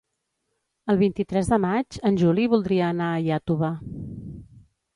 El vint-i-tres de maig en Juli voldria anar a Iàtova.